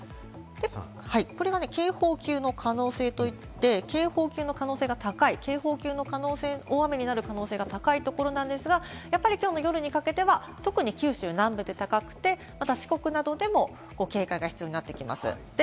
これが警報級の可能性といって、警報級の可能性が高い大雨になる可能性が高いところなんですが、やっぱり今日の夜にかけては特に九州南部が高くて、また四国などでも警戒が必要になってきます。